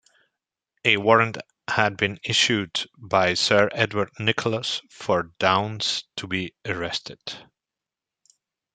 A warrant had been issued by Sir Edward Nicholas for Downes to be arrested.